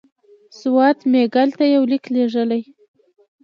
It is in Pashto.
سوات میاګل ته یو لیک لېږلی.